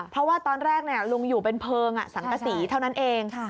เพราะว่าตอนแรกลุงอยู่เป็นเพลิงสังกษีเท่านั้นเอง